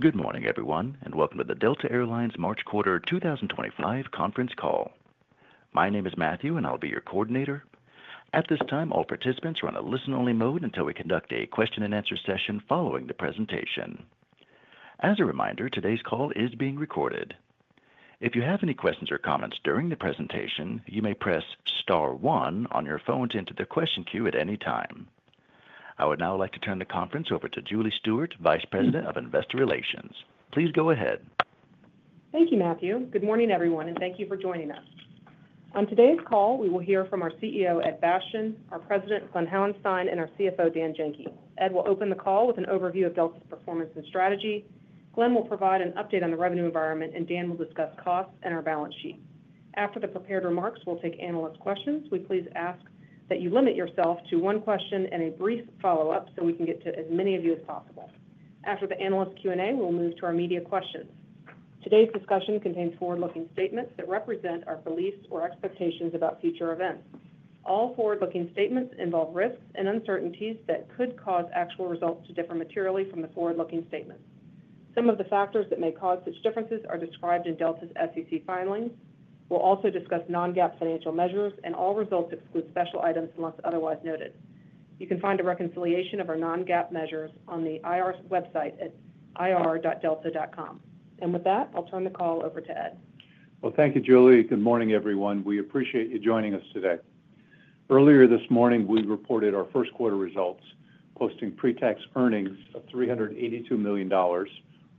Good morning, everyone, and welcome to the Delta Air Lines March Quarter 2025 conference call. My name is Matthew, and I'll be your coordinator. At this time, all participants are on a listen-only mode until we conduct a question-and-answer session following the presentation. As a reminder, today's call is being recorded. If you have any questions or comments during the presentation, you may press star one on your phone to enter the question queue at any time. I would now like to turn the conference over to Julie Stewart, Vice President of Investor Relations. Please go ahead. Thank you, Matthew. Good morning, everyone, and thank you for joining us. On today's call, we will hear from our CEO, Ed Bastian, our President, Glen Hauenstein, and our CFO, Dan Janki. Ed will open the call with an overview of Delta's performance and strategy. Glen will provide an update on the revenue environment, and Dan will discuss costs and our balance sheet. After the prepared remarks, we'll take analyst questions. We please ask that you limit yourself to one question and a brief follow-up so we can get to as many of you as possible. After the analyst Q&A, we'll move to our media questions. Today's discussion contains forward-looking statements that represent our beliefs or expectations about future events. All forward-looking statements involve risks and uncertainties that could cause actual results to differ materially from the forward-looking statements. Some of the factors that may cause such differences are described in Delta's SEC filings. We will also discuss non-GAAP financial measures, and all results exclude special items unless otherwise noted. You can find a reconciliation of our non-GAAP measures on the IR website at ir.delta.com. With that, I will turn the call over to Ed. Thank you, Julie. Good morning, everyone. We appreciate you joining us today. Earlier this morning, we reported our first quarter results, posting pre-tax earnings of $382 million, or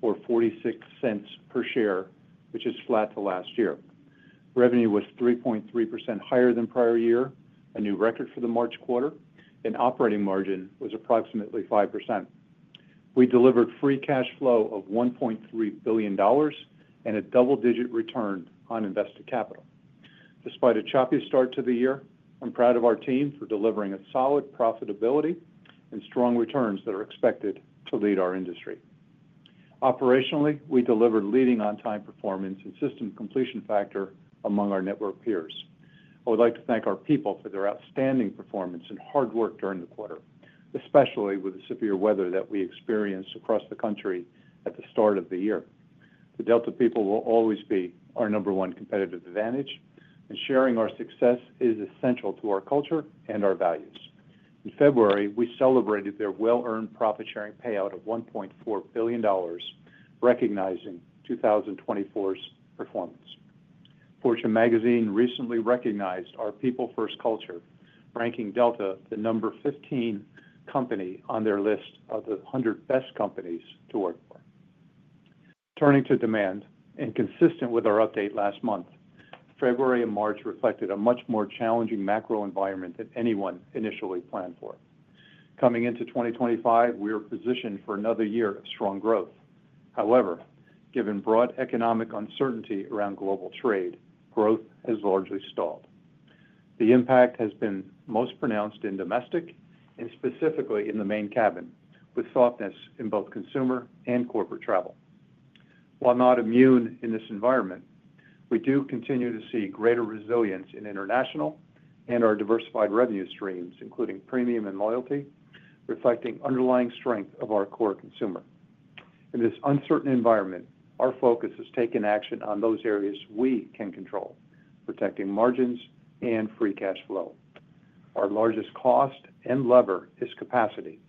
$0.46 per share, which is flat to last year. Revenue was 3.3% higher than prior year, a new record for the March quarter, and operating margin was approximately 5%. We delivered free cash flow of $1.3 billion and a double-digit return on invested capital. Despite a choppy start to the year, I'm proud of our team for delivering a solid profitability and strong returns that are expected to lead our industry. Operationally, we delivered leading on-time performance and system completion factor among our network peers. I would like to thank our people for their outstanding performance and hard work during the quarter, especially with the severe weather that we experienced across the country at the start of the year. The Delta people will always be our number one competitive advantage, and sharing our success is essential to our culture and our values. In February, we celebrated their well-earned profit-sharing payout of $1.4 billion, recognizing 2024's performance. Fortune Magazine recently recognized our people-first culture, ranking Delta the number 15 company on their list of the 100 Best Companies To Work For. Turning to demand, and consistent with our update last month, February and March reflected a much more challenging macro environment than anyone initially planned for. Coming into 2025, we are positioned for another year of strong growth. However, given broad economic uncertainty around global trade, growth has largely stalled. The impact has been most pronounced in Domestic and specifically in the Main Cabin, with softness in both consumer and corporate travel. While not immune in this environment, we do continue to see greater resilience in International and our diversified revenue streams, including Premium and Loyalty, reflecting underlying strength of our core consumer. In this uncertain environment, our focus has taken action on those areas we can control, protecting margins and free cash flow. Our largest cost and lever is capacity,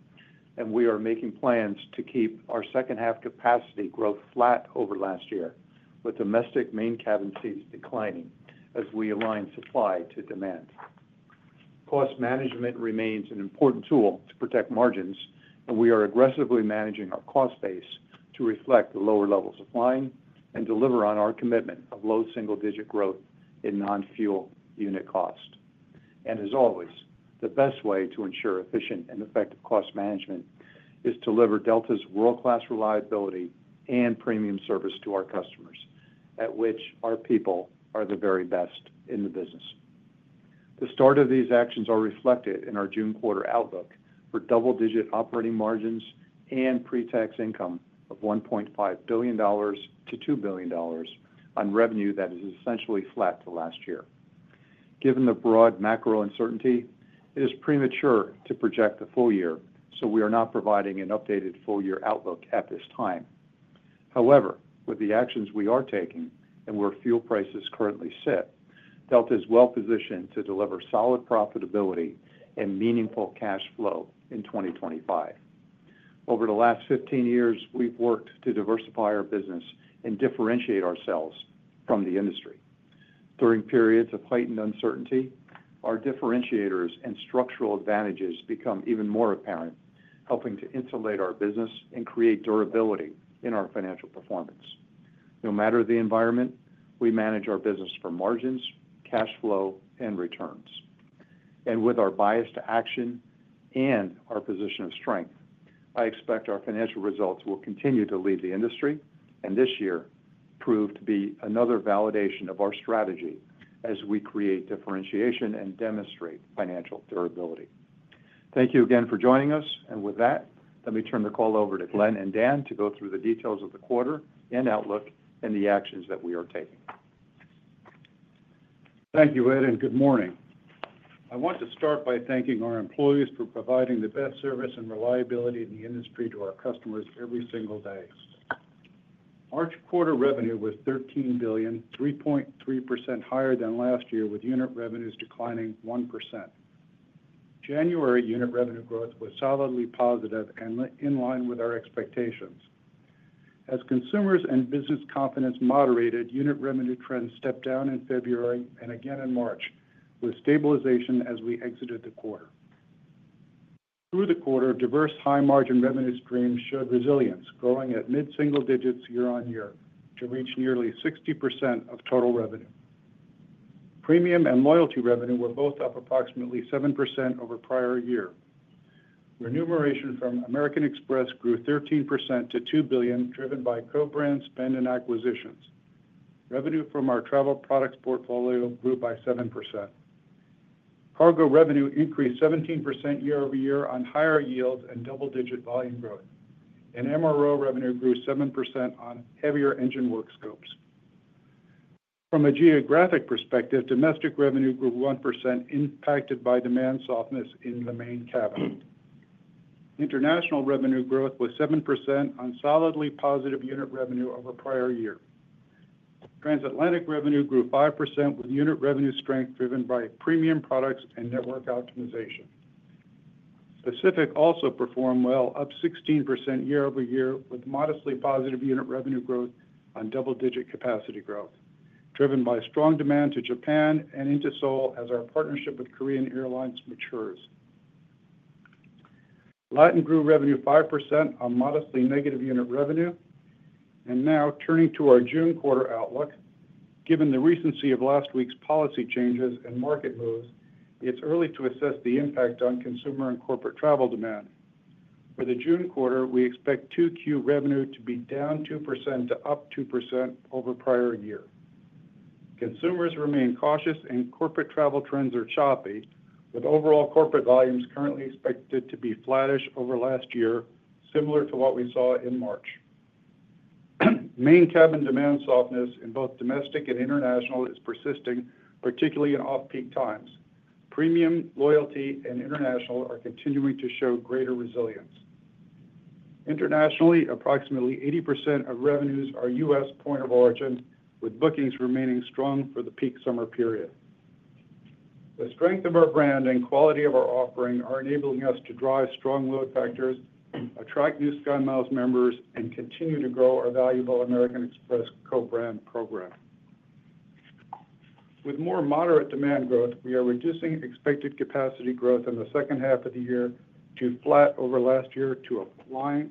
and we are making plans to keep our second-half capacity growth flat over last year, with Domestic Main Cabin seats declining as we align supply to demand. Cost management remains an important tool to protect margins, and we are aggressively managing our cost base to reflect the lower levels of flying and deliver on our commitment of low single-digit growth in non-fuel unit cost. As always, the best way to ensure efficient and effective cost management is to deliver Delta's world-class reliability and premium service to our customers, at which our people are the very best in the business. The start of these actions is reflected in our June quarter outlook for double-digit operating margins and pre-tax income of $1.5 billion-$2 billion on revenue that is essentially flat to last year. Given the broad macro uncertainty, it is premature to project the full year, so we are not providing an updated full-year outlook at this time. However, with the actions we are taking and where fuel prices currently sit, Delta is well-positioned to deliver solid profitability and meaningful cash flow in 2025. Over the last 15 years, we've worked to diversify our business and differentiate ourselves from the industry. During periods of heightened uncertainty, our differentiators and structural advantages become even more apparent, helping to insulate our business and create durability in our financial performance. No matter the environment, we manage our business for margins, cash flow, and returns. With our bias to action and our position of strength, I expect our financial results will continue to lead the industry and this year prove to be another validation of our strategy as we create differentiation and demonstrate financial durability. Thank you again for joining us, and with that, let me turn the call over to Glen and Dan to go through the details of the quarter and outlook and the actions that we are taking. Thank you, Ed, and good morning. I want to start by thanking our employees for providing the best service and reliability in the industry to our customers every single day. March quarter revenue was $13 billion, 3.3% higher than last year, with unit revenues declining 1%. January unit revenue growth was solidly positive and in line with our expectations. As consumers and business confidence moderated, unit revenue trends stepped down in February and again in March, with stabilization as we exited the quarter. Through the quarter, diverse high-margin revenue streams showed resilience, growing at mid-single digits year on year to reach nearly 60% of total revenue. Premium and Loyalty revenue were both up approximately 7% over prior year. Remuneration from American Express grew 13% to $2 billion, driven by co-brand spend and acquisitions. Revenue from our travel products portfolio grew by 7%. Cargo revenue increased 17% year over year on higher yields and double-digit volume growth. MRO revenue grew 7% on heavier engine work scopes. From a geographic perspective, Domestic revenue grew 1%, impacted by demand softness in the Main Cabin. International revenue growth was 7% on solidly positive unit revenue over prior year. Transatlantic revenue grew 5% with unit revenue strength driven by premium products and network optimization. Pacific also performed well, up 16% year over year, with modestly positive unit revenue growth on double-digit capacity growth, driven by strong demand to Japan and into Seoul as our partnership with Korean Airlines matures. Latin grew revenue 5% on modestly negative unit revenue. Now, turning to our June quarter outlook, given the recency of last week's policy changes and market moves, it is early to assess the impact on consumer and corporate travel demand. For the June quarter, we expect Q2 revenue to be down 2% to up 2% over prior year. Consumers remain cautious, and corporate travel trends are choppy, with overall corporate volumes currently expected to be flattish over last year, similar to what we saw in March. Main Cabin demand softness in both Domestic and international is persisting, particularly in off-peak times. Premium, Loyalty, and International are continuing to show greater resilience. Internationally, approximately 80% of revenues are U.S. point of origin, with bookings remaining strong for the peak summer period. The strength of our brand and quality of our offering are enabling us to drive strong load factors, attract new SkyMiles members, and continue to grow our valuable American Express co-brand program. With more moderate demand growth, we are reducing expected capacity growth in the second half of the year to flat over last year to align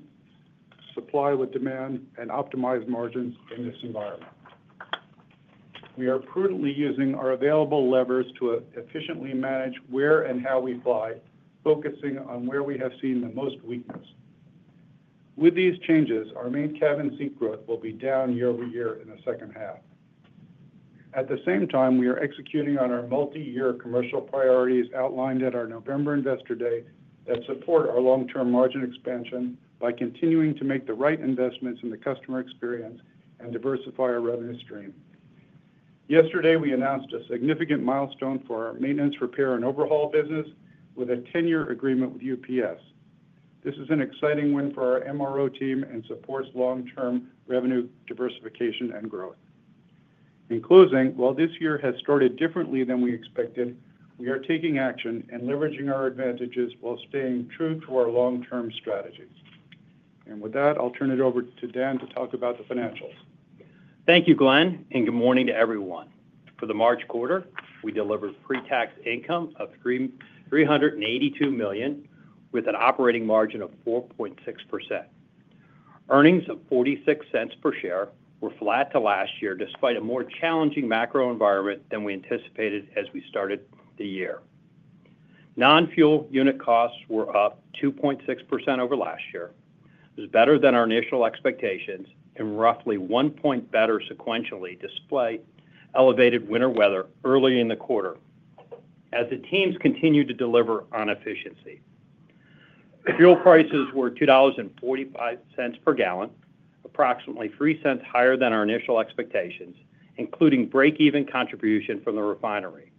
supply with demand and optimize margins in this environment. We are prudently using our available levers to efficiently manage where and how we fly, focusing on where we have seen the most weakness. With these changes, our Main Cabin seat growth will be down year over year in the second half. At the same time, we are executing on our multi-year commercial priorities outlined at our November Investor Day that support our long-term margin expansion by continuing to make the right investments in the customer experience and diversify our revenue stream. Yesterday, we announced a significant milestone for our maintenance, repair, and overhaul business with a 10-year agreement with UPS. This is an exciting win for our MRO team and supports long-term revenue diversification and growth. In closing, while this year has started differently than we expected, we are taking action and leveraging our advantages while staying true to our long-term strategy. With that, I'll turn it over to Dan to talk about the financials. Thank you, Glen, and good morning to everyone. For the March quarter, we delivered pre-tax income of $382 million, with an operating margin of 4.6%. Earnings of $0.46 per share were flat to last year, despite a more challenging macro environment than we anticipated as we started the year. Non-fuel unit costs were up 2.6% over last year. It was better than our initial expectations and roughly one point better sequentially despite elevated winter weather early in the quarter, as the teams continued to deliver on efficiency. Fuel prices were $2.45 per gallon, approximately $0.03 higher than our initial expectations, including break-even contribution from the refinery.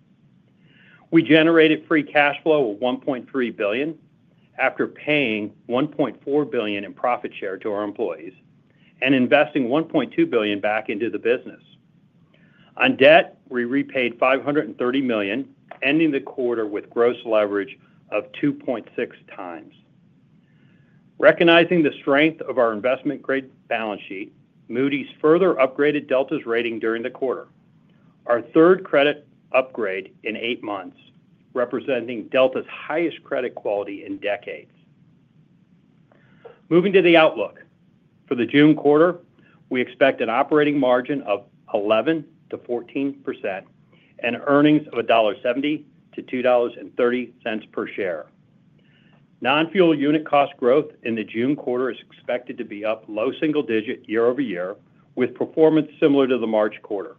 We generated free cash flow of $1.3 billion after paying $1.4 billion in profit share to our employees and investing $1.2 billion back into the business. On debt, we repaid $530 million, ending the quarter with gross leverage of 2.6 times. Recognizing the strength of our investment-grade balance sheet, Moody's further upgraded Delta's rating during the quarter, our third credit upgrade in eight months, representing Delta's highest credit quality in decades. Moving to the outlook, for the June quarter, we expect an operating margin of 11%-14% and earnings of $1.70-$2.30 per share. Non-fuel unit cost growth in the June quarter is expected to be up low single digit year over year, with performance similar to the March quarter.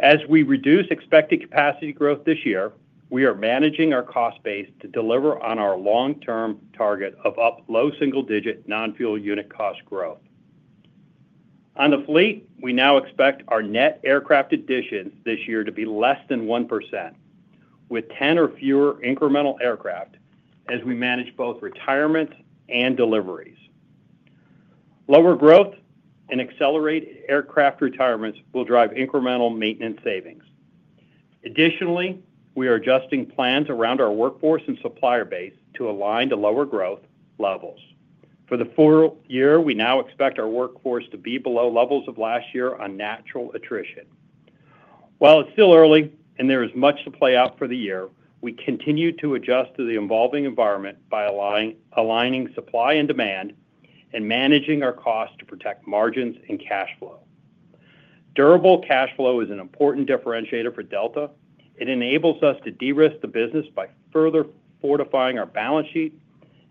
As we reduce expected capacity growth this year, we are managing our cost base to deliver on our long-term target of up low single digit non-fuel unit cost growth. On the fleet, we now expect our net aircraft additions this year to be less than 1%, with 10 or fewer incremental aircraft as we manage both retirements and deliveries. Lower growth and accelerated aircraft retirements will drive incremental maintenance savings. Additionally, we are adjusting plans around our workforce and supplier base to align to lower growth levels. For the full year, we now expect our workforce to be below levels of last year on natural attrition. While it's still early and there is much to play out for the year, we continue to adjust to the evolving environment by aligning supply and demand and managing our costs to protect margins and cash flow. Durable cash flow is an important differentiator for Delta. It enables us to de-risk the business by further fortifying our balance sheet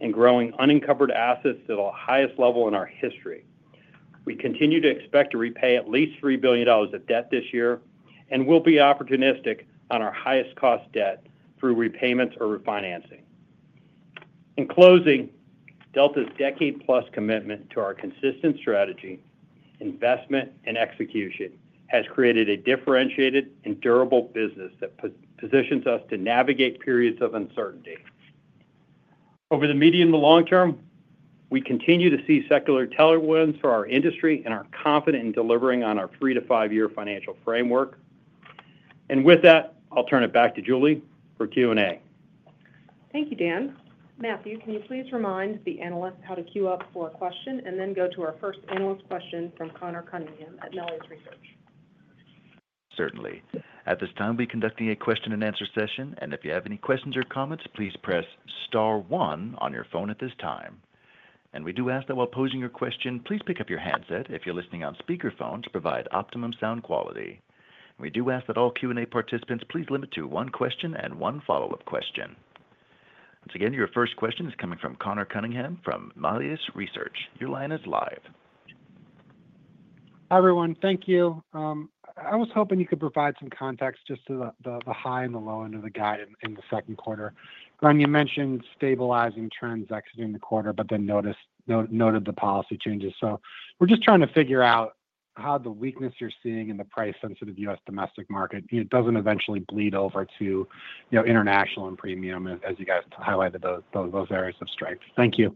and growing unencumbered assets to the highest level in our history. We continue to expect to repay at least $3 billion of debt this year and will be opportunistic on our highest cost debt through repayments or refinancing. In closing, Delta's decade-plus commitment to our consistent strategy, investment, and execution has created a differentiated and durable business that positions us to navigate periods of uncertainty. Over the medium to long term, we continue to see secular tailwinds for our industry and are confident in delivering on our three to five-year financial framework. With that, I'll turn it back to Julie for Q&A. Thank you, Dan. Matthew, can you please remind the analysts how to queue up for a question and then go to our first analyst question from Conor Cunningham at Melius Research? Certainly. At this time, we're conducting a question-and-answer session, and if you have any questions or comments, please press star one on your phone at this time. We do ask that while posing your question, please pick up your handset if you're listening on speakerphone to provide optimum sound quality. We do ask that all Q&A participants please limit to one question and one follow-up question. Once again, your first question is coming from Conor Cunningham from Melius Research. Your line is live. Hi everyone. Thank you. I was hoping you could provide some context just to the high and the low end of the guide in the second quarter. Glen, you mentioned stabilizing trends exiting the quarter, but then noted the policy changes. We are just trying to figure out how the weakness you are seeing in the price-sensitive U.S. domestic market does not eventually bleed over to International and Premium, as you guys highlighted those areas of strength. Thank you.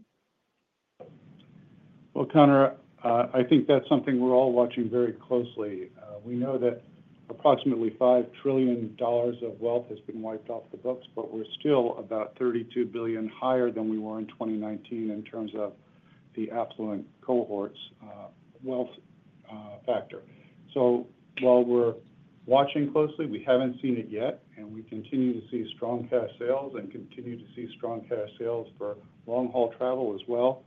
Conor, I think that's something we're all watching very closely. We know that approximately $5 trillion of wealth has been wiped off the books, but we're still about $32 billion higher than we were in 2019 in terms of the affluent cohort's wealth factor. While we're watching closely, we haven't seen it yet, and we continue to see strong cash sales and continue to see strong cash sales for long-haul travel as well.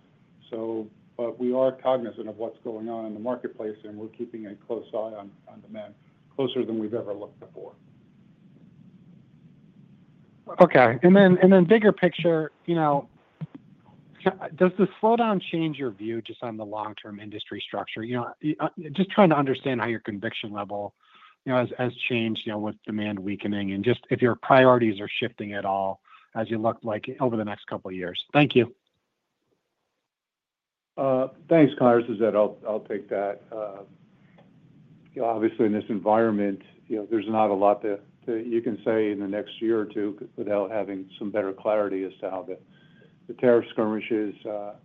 We are cognizant of what's going on in the marketplace, and we're keeping a close eye on demand closer than we've ever looked before. Okay. Then bigger picture, does the slowdown change your view just on the long-term industry structure? Just trying to understand how your conviction level has changed with demand weakening and just if your priorities are shifting at all as you look like over the next couple of years. Thank you. Thanks, Conor. This is Ed. I'll take that. Obviously, in this environment, there's not a lot that you can say in the next year or two without having some better clarity as to how the tariff skirmishes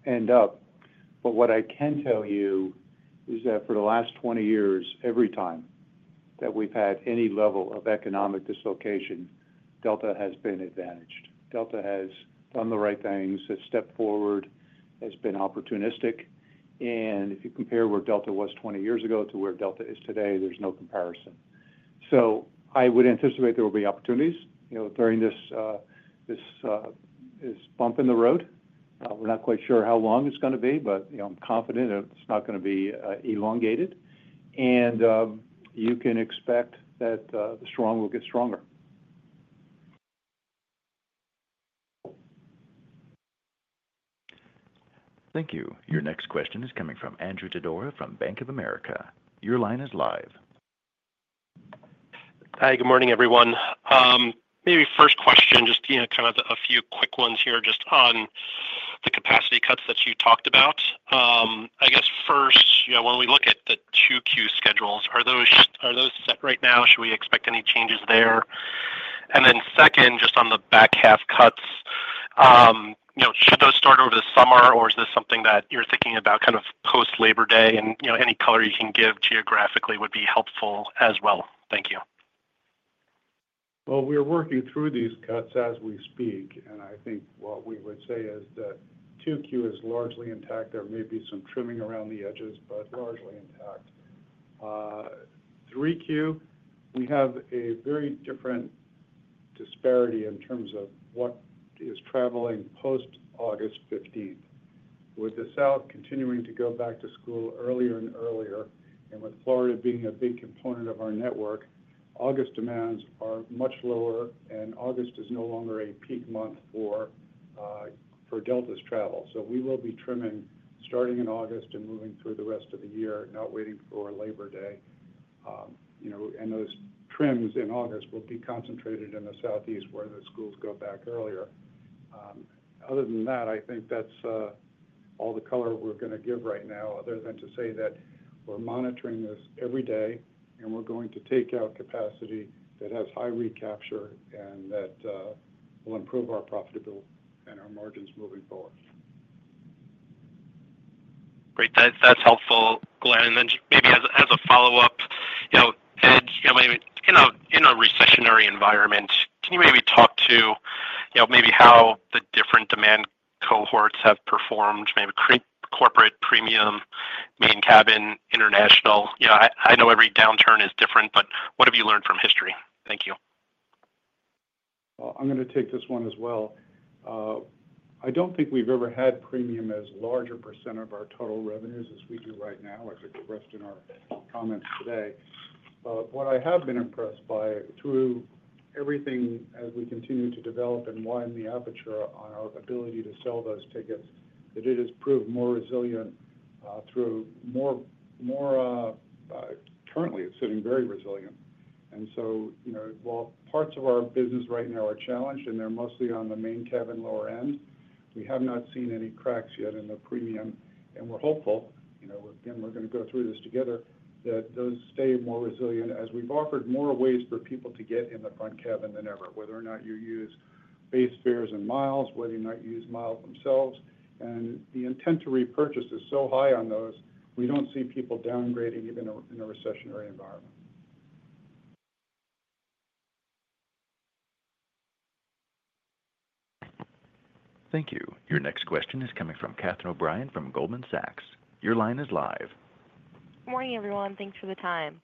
end up. What I can tell you is that for the last 20 years, every time that we've had any level of economic dislocation, Delta has been advantaged. Delta has done the right things, has stepped forward, has been opportunistic. If you compare where Delta was 20 years ago to where Delta is today, there's no comparison. I would anticipate there will be opportunities during this bump in the road. We're not quite sure how long it's going to be, but I'm confident it's not going to be elongated. You can expect that the strong will get stronger. Thank you. Your next question is coming from Andrew Didora from Bank of America. Your line is live. Hi, good morning, everyone. Maybe first question, just kind of a few quick ones here just on the capacity cuts that you talked about. I guess first, when we look at the Q2 schedules, are those set right now? Should we expect any changes there? Then second, just on the back half cuts, should those start over the summer, or is this something that you're thinking about kind of post-Labor Day? Any color you can give geographically would be helpful as well. Thank you. We're working through these cuts as we speak, and I think what we would say is that Q2 is largely intact. There may be some trimming around the edges, but largely intact. Q3, we have a very different disparity in terms of what is traveling post-August 15th. With the South continuing to go back to school earlier and earlier, and with Florida being a big component of our network, August demands are much lower, and August is no longer a peak month for Delta's travel. We will be trimming starting in August and moving through the rest of the year, not waiting for Labor Day. Those trims in August will be concentrated in the Southeast where the schools go back earlier. Other than that, I think that's all the color we're going to give right now, other than to say that we're monitoring this every day, and we're going to take out capacity that has high recapture and that will improve our profitability and our margins moving forward. Great. That's helpful, Glen. Maybe as a follow-up, Ed, in a recessionary environment, can you maybe talk to maybe how the different demand cohorts have performed, maybe Corporate Premium, Main Cabin, International? I know every downturn is different, but what have you learned from history? Thank you. I'm going to take this one as well. I don't think we've ever had Premium as a larger % of our total revenues as we do right now, as expressed in our comments today. What I have been impressed by, through everything as we continue to develop and widen the aperture on our ability to sell those tickets, is that it has proved more resilient. More currently, it's sitting very resilient. While parts of our business right now are challenged, and they're mostly on the Main Cabin lower end, we have not seen any cracks yet in the Premium. We're hopeful, again, we're going to go through this together, that those stay more resilient as we've offered more ways for people to get in the front cabin than ever, whether or not you use base fares and miles, whether or not you use miles themselves. The intent to repurchase is so high on those, we don't see people downgrading even in a recessionary environment. Thank you. Your next question is coming from Catherine O'Brien from Goldman Sachs. Your line is live. Morning, everyone. Thanks for the time.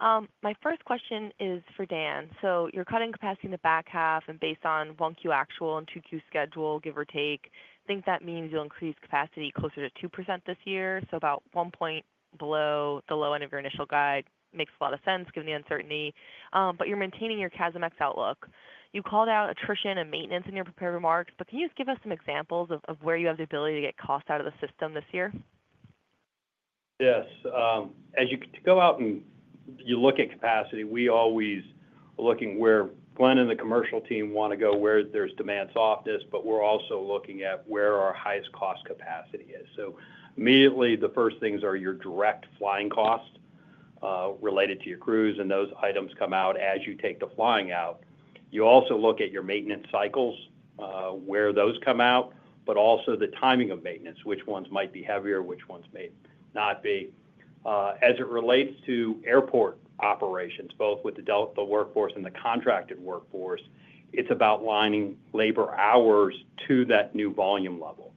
My first question is for Dan. You are cutting capacity in the back half, and based on 1Q actual and 2Q schedule, give or take, I think that means you will increase capacity closer to 2% this year. About one point below the low end of your initial guide makes a lot of sense given the uncertainty. You are maintaining your CASM ex outlook. You called out attrition and maintenance in your prepared remarks, but can you just give us some examples of where you have the ability to get cost out of the system this year? Yes. As you go out and you look at capacity, we always are looking where Glen and the commercial team want to go, where there's demand softness, but we're also looking at where our highest cost capacity is. Immediately, the first things are your direct flying costs related to your crews, and those items come out as you take the flying out. You also look at your maintenance cycles, where those come out, but also the timing of maintenance, which ones might be heavier, which ones may not be. As it relates to airport operations, both with the Delta workforce and the contracted workforce, it's about lining labor hours to that new volume level.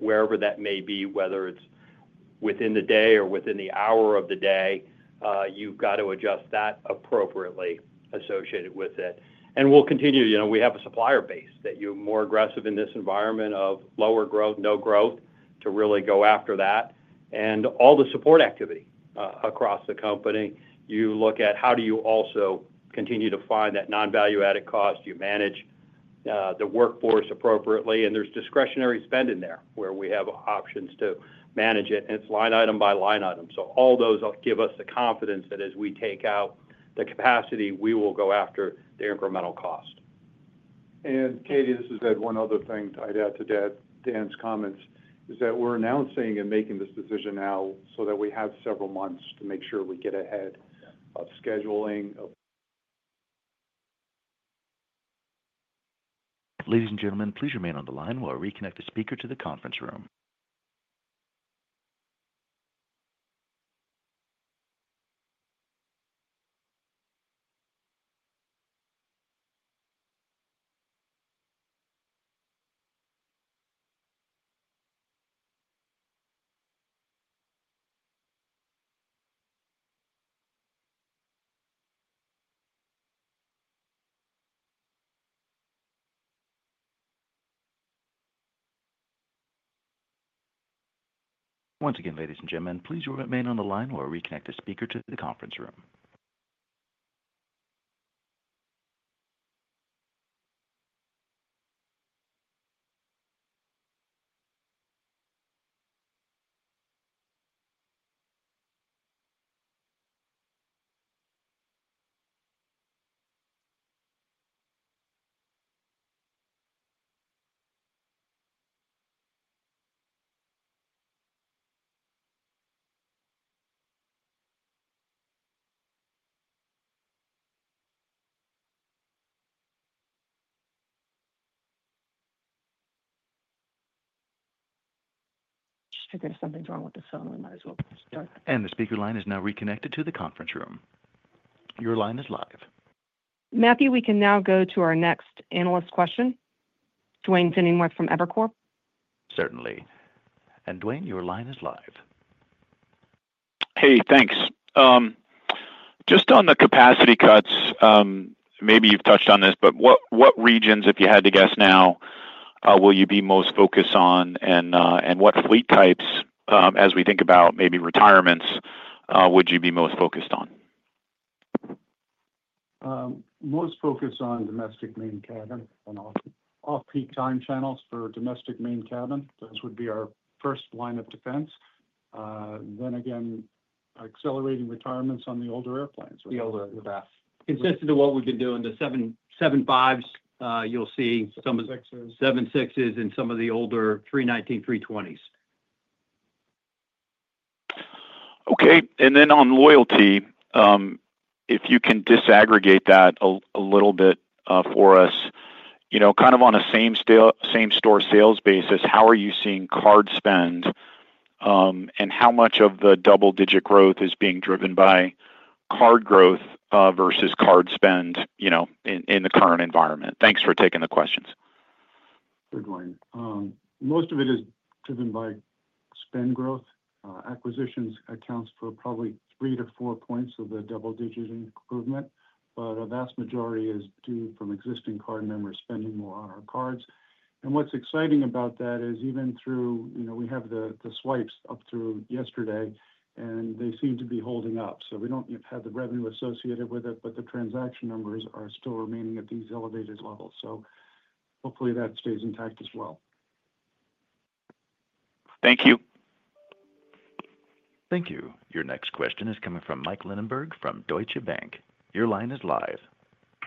Wherever that may be, whether it's within the day or within the hour of the day, you've got to adjust that appropriately associated with it. We will continue. We have a supplier base that you're more aggressive in this environment of lower growth, no growth, to really go after that. All the support activity across the company, you look at how do you also continue to find that non-value-added cost, you manage the workforce appropriately. There's discretionary spending there where we have options to manage it, and it's line item by line item. All those give us the confidence that as we take out the capacity, we will go after the incremental cost. Katie, this is Ed. One other thing tied out to Dan's comments is that we are announcing and making this decision now so that we have several months to make sure we get ahead of scheduling. Ladies and gentlemen, please remain on the line while I reconnect the speaker to the conference room. Once again, ladies and gentlemen, please remain on the line while I reconnect the speaker to the conference room. I guess something's wrong with the phone. We might as well start. The speaker line is now reconnected to the conference room. Your line is live. Matthew, we can now go to our next analyst question. Duane Pfennigwerth from Evercore. Certainly. Duane, your line is live. Hey, thanks. Just on the capacity cuts, maybe you've touched on this, but what regions, if you had to guess now, will you be most focused on, and what fleet types, as we think about maybe retirements, would you be most focused on? Most focused on Domestic Main Cabin and off-peak time channels for Domestic Main Cabin. Those would be our first line of defense. Again, accelerating retirements on the older airplanes. The older aircraft. Consistent to what we've been doing, the 75s, you'll see. 76s. 76s and some of the older 319, 320s. Okay. On loyalty, if you can disaggregate that a little bit for us, kind of on a same-store sales basis, how are you seeing card spend, and how much of the double-digit growth is being driven by card growth versus card spend in the current environment? Thanks for taking the questions. Good one. Most of it is driven by spend growth. Acquisitions accounts for probably three to four points of the double-digit improvement, but a vast majority is due from existing card members spending more on our cards. What's exciting about that is even though we have the swipes up through yesterday, and they seem to be holding up. We do not have the revenue associated with it, but the transaction numbers are still remaining at these elevated levels. Hopefully that stays intact as well. Thank you. Thank you. Your next question is coming from Mike Linenberg from Deutsche Bank. Your line is live.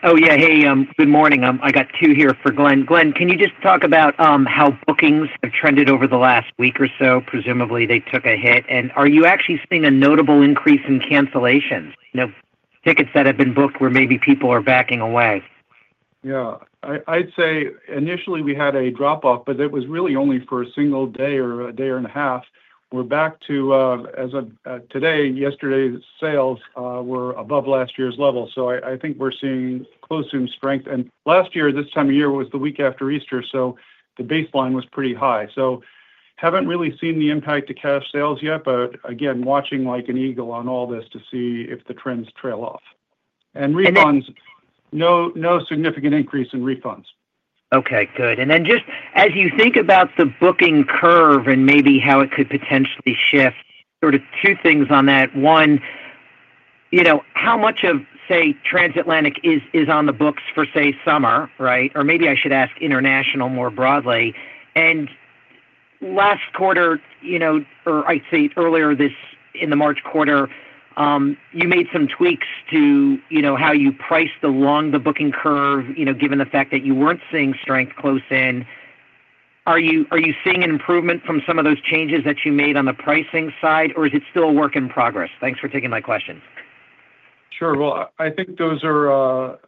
Oh, yeah. Hey, good morning. I got two here for Glen. Glen, can you just talk about how bookings have trended over the last week or so? Presumably, they took a hit. Are you actually seeing a notable increase in cancellations? Tickets that have been booked where maybe people are backing away? Yeah. I'd say initially we had a drop-off, but it was really only for a single day or a day and a half. We're back to, as of today, yesterday's sales were above last year's level. I think we're seeing close to strength. Last year, this time of year was the week after Easter, so the baseline was pretty high. Haven't really seen the impact to cash sales yet, but again, watching like an eagle on all this to see if the trends trail off. Refunds, no significant increase in refunds. Okay. Good. Just as you think about the booking curve and maybe how it could potentially shift, sort of two things on that. One, how much of, say, Transatlantic is on the books for, say, summer, right? Or maybe I should ask International more broadly. Last quarter, or I'd say earlier this in the March quarter, you made some tweaks to how you priced along the booking curve, given the fact that you weren't seeing strength close in. Are you seeing an improvement from some of those changes that you made on the pricing side, or is it still a work in progress? Thanks for taking my question. Sure. I think those are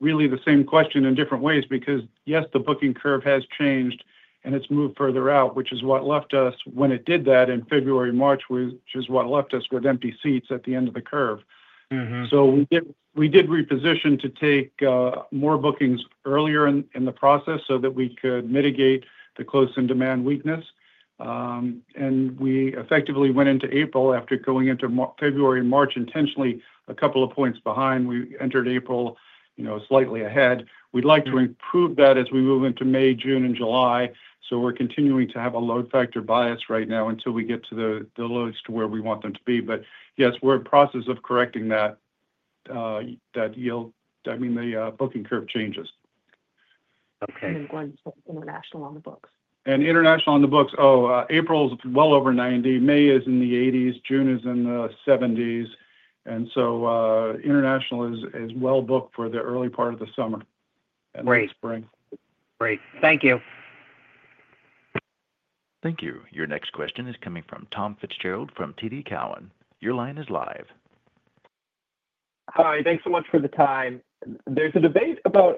really the same question in different ways because, yes, the booking curve has changed and it's moved further out, which is what left us when it did that in February and March, which is what left us with empty seats at the end of the curve. We did reposition to take more bookings earlier in the process so that we could mitigate the close-in demand weakness. We effectively went into April after going into February and March intentionally a couple of points behind. We entered April slightly ahead. We'd like to improve that as we move into May, June, and July. We're continuing to have a load factor bias right now until we get to the lowest to where we want them to be. Yes, we're in the process of correcting that yield. I mean, the booking curve changes. Okay. And then Glen, International on the books. International on the books. April is well over 90%. May is in the 80%. June is in the 70%. International is well booked for the early part of the summer and the spring. Great. Thank you. Thank you. Your next question is coming from Tom Fitzgerald from TD Cowen. Your line is live. Hi. Thanks so much for the time. There's a debate about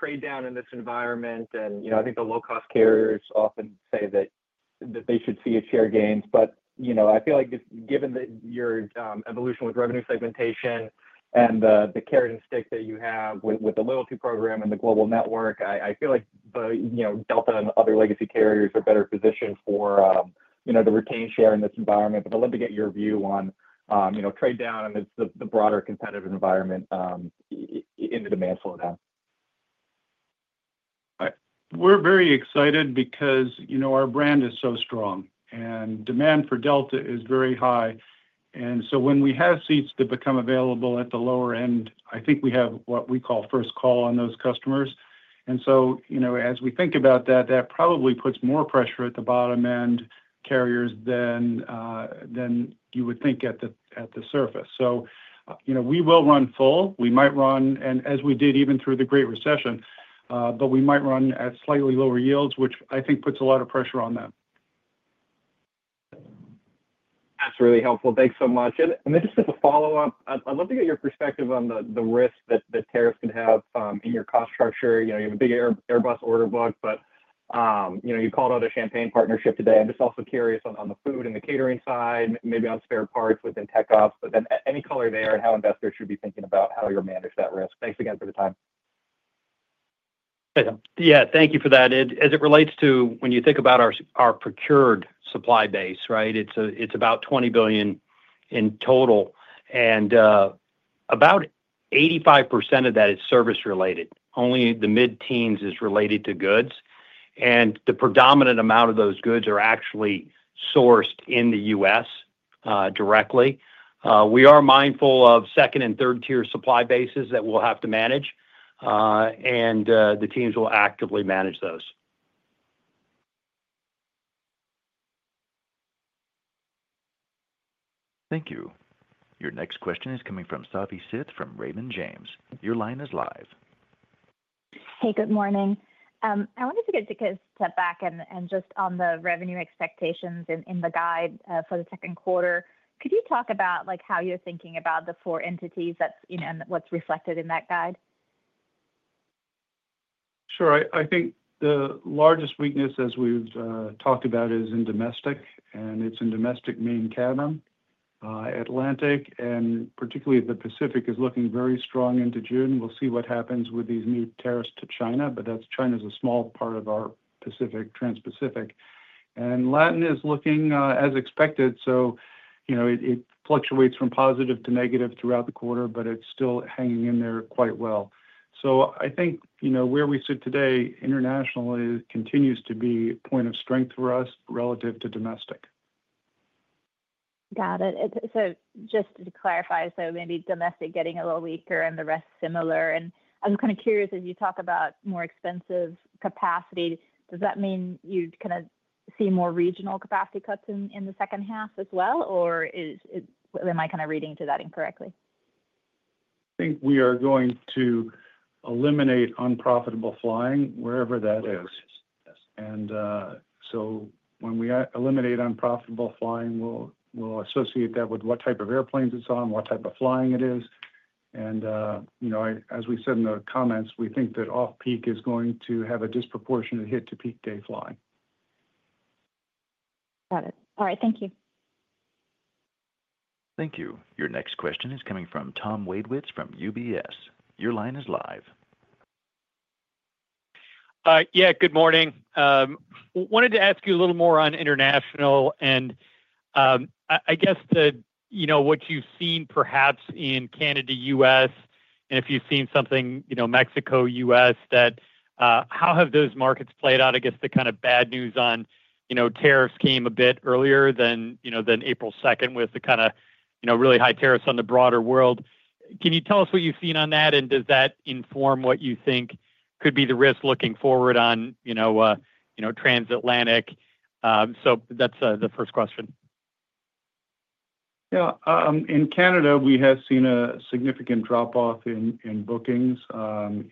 trade down in this environment, and I think the low-cost carriers often say that they should see share gains. I feel like given your evolution with revenue segmentation and the carrot and stick that you have with the loyalty program and the global network, I feel like Delta and other legacy carriers are better positioned for the retained share in this environment. I'd love to get your view on trade down and the broader competitive environment in the demand slowdown. We're very excited because our brand is so strong, and demand for Delta is very high. When we have seats that become available at the lower end, I think we have what we call first call on those customers. As we think about that, that probably puts more pressure at the bottom-end carriers than you would think at the surface. We will run full. We might run, and as we did even through the Great Recession, but we might run at slightly lower yields, which I think puts a lot of pressure on them. That's really helpful. Thanks so much. Just as a follow-up, I'd love to get your perspective on the risk that tariffs could have in your cost structure. You have a big Airbus order book, but you called out a champagne partnership today. I'm just also curious on the food and the catering side, maybe on spare parts within tech ops, but then any color there and how investors should be thinking about how you'll manage that risk. Thanks again for the time. Yeah. Thank you for that. As it relates to when you think about our procured supply base, right, it's about $20 billion in total. About 85% of that is service-related. Only the mid-teens is related to goods. The predominant amount of those goods are actually sourced in the U.S. directly. We are mindful of second and third-tier supply bases that we'll have to manage, and the teams will actively manage those. Thank you. Your next question is coming from Savi Syth from Raymond James. Your line is live. Hey, good morning. I wanted to get a step back and just on the revenue expectations in the guide for the second quarter. Could you talk about how you're thinking about the four entities and what's reflected in that guide? Sure. I think the largest weakness, as we've talked about, is in Domestic, and it's in Domestic Main Cabin. Atlantic and particularly the Pacific is looking very strong into June. We'll see what happens with these new tariffs to China, but China is a small part of our Pacific, Trans-Pacific. Latin is looking as expected. It fluctuates from positive to negative throughout the quarter, but it's still hanging in there quite well. I think where we sit today, International continues to be a point of strength for us relative to Domestic. Got it. Just to clarify, maybe Domestic getting a little weaker and the rest similar. I'm kind of curious, as you talk about more expensive capacity, does that mean you'd kind of see more regional capacity cuts in the second half as well, or am I kind of reading to that incorrectly? I think we are going to eliminate unprofitable flying wherever that is. When we eliminate unprofitable flying, we'll associate that with what type of airplanes it's on, what type of flying it is. As we said in the comments, we think that off-peak is going to have a disproportionate hit to peak-day flying. Got it. All right. Thank you. Thank you. Your next question is coming from Tom Wadewitz from UBS. Your line is live. Yeah. Good morning. Wanted to ask you a little more on International. I guess what you've seen perhaps in Canada, U.S., and if you've seen something Mexico, U.S., how have those markets played out against the kind of bad news on tariffs came a bit earlier than April 2 with the kind of really high tariffs on the broader world. Can you tell us what you've seen on that, and does that inform what you think could be the risk looking forward on Transatlantic? That's the first question. Yeah. In Canada, we have seen a significant drop-off in bookings.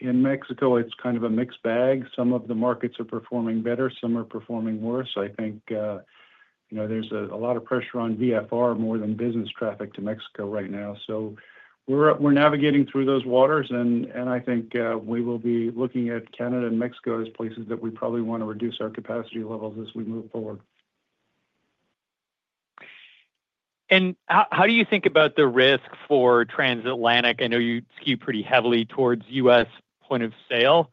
In Mexico, it's kind of a mixed bag. Some of the markets are performing better. Some are performing worse. I think there's a lot of pressure on VFR more than business traffic to Mexico right now. We are navigating through those waters, and I think we will be looking at Canada and Mexico as places that we probably want to reduce our capacity levels as we move forward. How do you think about the risk for Transatlantic? I know you skew pretty heavily towards U.S. point of sale.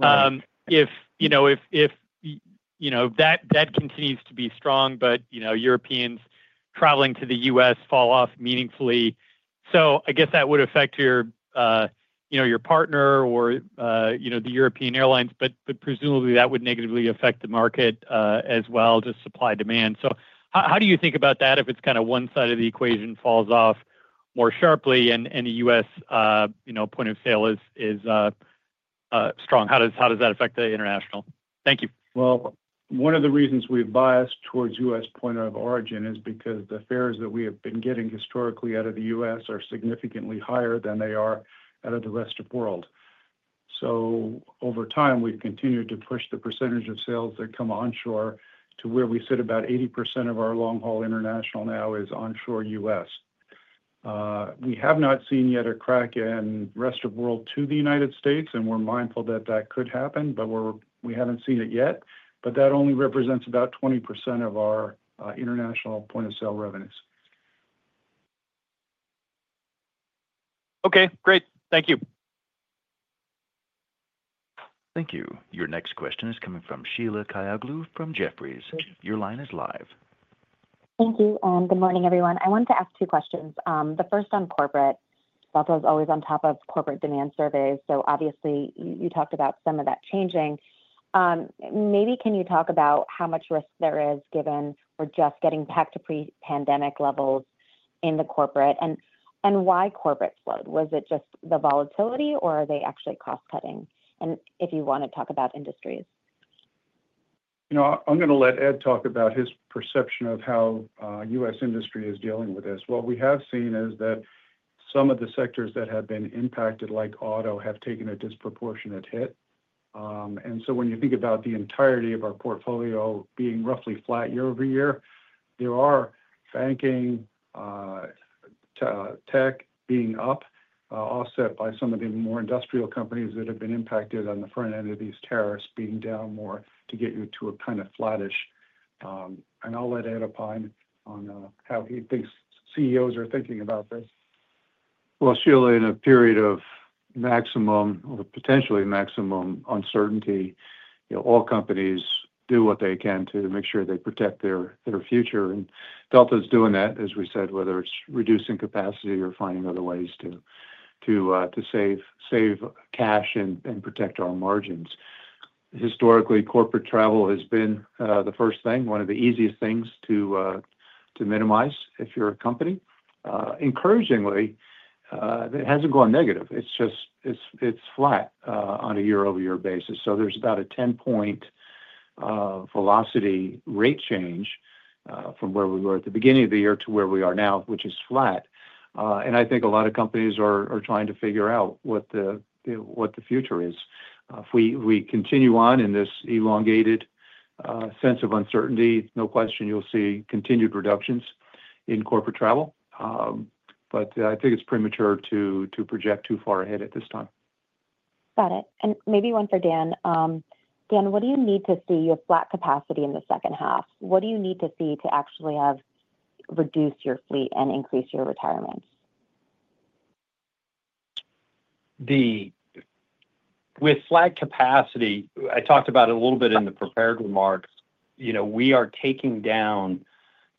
If that continues to be strong, but Europeans traveling to the U.S. fall off meaningfully, I guess that would affect your partner or the European airlines, but presumably that would negatively affect the market as well, just supply demand. How do you think about that if it is kind of one side of the equation falls off more sharply and the U.S. point of sale is strong? How does that affect the International? Thank you. One of the reasons we've biased towards U.S. point of origin is because the fares that we have been getting historically out of the U.S. are significantly higher than they are out of the rest of the world. Over time, we've continued to push the percentage of sales that come onshore to where we sit about 80% of our long-haul International now is onshore U.S. We have not seen yet a crack in the rest of the world to the United States, and we're mindful that that could happen, but we haven't seen it yet. That only represents about 20% of our International point of sale revenues. Okay. Great. Thank you. Thank you. Your next question is coming from Sheila Kahyaoglu from Jefferies. Your line is live. Thank you. Good morning, everyone. I wanted to ask two questions. The first on Corporate. Delta is always on top of corporate demand surveys. Obviously, you talked about some of that changing. Maybe can you talk about how much risk there is given we're just getting back to pre-pandemic levels in the corporate and why corporate slowed? Was it just the volatility, or are they actually cost-cutting? If you want to talk about industries. I'm going to let Ed talk about his perception of how U.S. industry is dealing with this. What we have seen is that some of the sectors that have been impacted, like auto, have taken a disproportionate hit. When you think about the entirety of our portfolio being roughly flat year over year, there are banking, tech being up, offset by some of the more industrial companies that have been impacted on the front end of these tariffs being down more to get you to a kind of flattish. I'll let Ed opine on how he thinks CEOs are thinking about this. Sheila, in a period of maximum or potentially maximum uncertainty, all companies do what they can to make sure they protect their future. Delta is doing that, as we said, whether it's reducing capacity or finding other ways to save cash and protect our margins. Historically, corporate travel has been the first thing, one of the easiest things to minimize if you're a company. Encouragingly, it hasn't gone negative. It's flat on a year-over-year basis. There is about a 10-point velocity rate change from where we were at the beginning of the year to where we are now, which is flat. I think a lot of companies are trying to figure out what the future is. If we continue on in this elongated sense of uncertainty, no question you'll see continued reductions in corporate travel. I think it's premature to project too far ahead at this time. Got it. Maybe one for Dan. Dan, what do you need to see your flat capacity in the second half? What do you need to see to actually have reduced your fleet and increased your retirements? With flat capacity, I talked about it a little bit in the prepared remarks. We are taking down